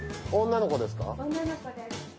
女の子です